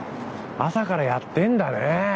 朝からやってんだね。